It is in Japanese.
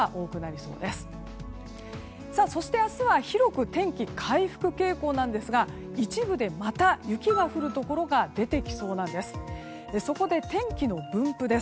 そして、明日は広く天気が回復傾向なんですが一部で、また雪が降るところが出てきそうなんです。